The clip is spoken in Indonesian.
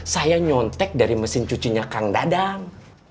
saya nyontek dari mesin cucinya kang dadang